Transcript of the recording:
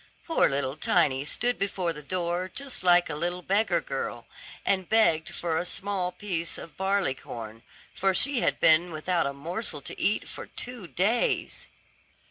Poor little Tiny stood before the door just like a little beggar girl, and begged for a small piece of barley corn, for she had been without a morsel to eat for two days.